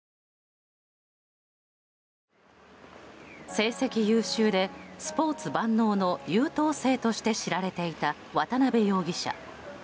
成績優秀でスポーツ万能の優等生として知られていた渡邉容疑者。